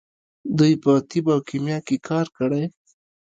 دوی په طب او کیمیا کې کار کړی.